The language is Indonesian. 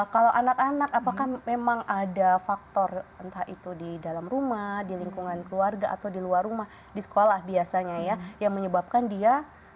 kalau anak anak apakah memang ada faktor entah itu di dalam rumah di lingkungan keluarga atau di luar rumah di sekolah biasanya ya yang menyebabkan dia